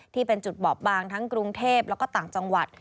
ที่เป็นจุดบอบบางทั้งกรุงเทพแล้วก็ต่างจังหวัด